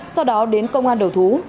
sau đó đến công an đầu thú